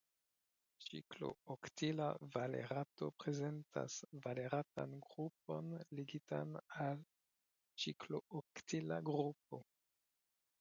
Ciklooktila valerato prezentas valeratan grupon ligitan al ciklooktila grupo.